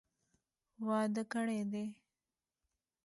واده کړي دي.